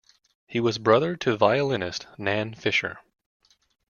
He was brother to vilionist, Nan Fisher.